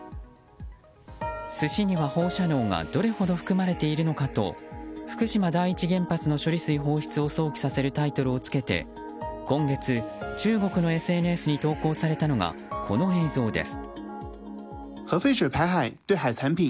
寿司には放射能がどれほど含まれているのかと福島第一原発の処理水放出を想起させるタイトルをつけて今月、中国のＳＮＳに投稿されたのがこの映像です。